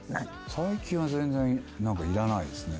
最近は全然いらないですね。